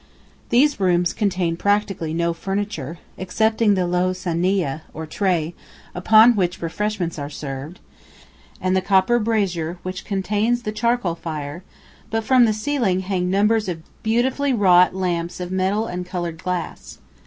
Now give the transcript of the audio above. These rooms contain practically no furniture, excepting the low "sahniyeh," or tray, upon which refreshments are served, and the copper brazier which contains the charcoal fire, but from the ceiling hang numbers of beautifully wrought lamps of metal and coloured glass.